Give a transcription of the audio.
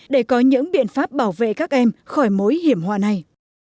để có những biện pháp bảo vệ các em khỏi mối hiểm họa này